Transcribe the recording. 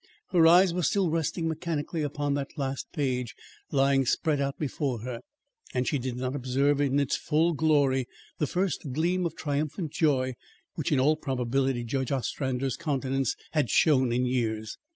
Her eyes were still resting mechanically upon that last page lying spread out before her, and she did not observe in its full glory the first gleam of triumphant joy which, in all probability, Judge Ostrander's countenance had shown in years.